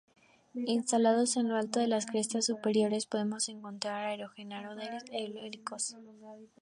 Instalados en lo alto de las crestas superiores podemos encontrar aerogeneradores eólicos.